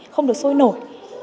không được sôi nổi